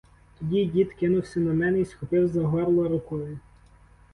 Тоді дід кинувся на мене й схопив за горло рукою.